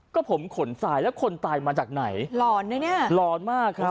ก็ผมขนสายแล้วคนตายมาจากไหนหลอนมากครับ